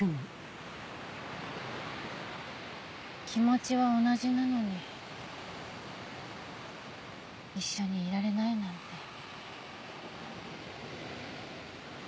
気持ちは同じなのに一緒にいられないなんて。